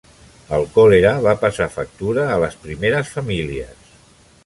El còlera va passar factura a les primeres famílies.